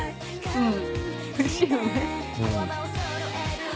うん。